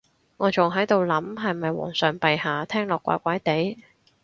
我仲喺度諗係咪皇上陛下，聽落怪怪哋